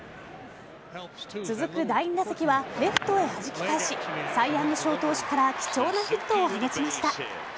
続く第２打席はレフトへはじき返しサイ・ヤング賞投手から貴重なヒットを放ちました。